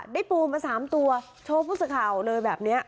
ได้ปูมาสามตัวโชว์ผู้สื่อข่าวเลยแบบเนี้ย